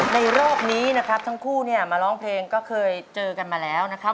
รอบนี้นะครับทั้งคู่เนี่ยมาร้องเพลงก็เคยเจอกันมาแล้วนะครับ